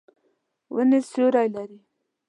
ونې سیوری لري.